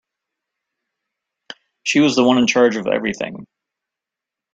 She was the one in charge of everything.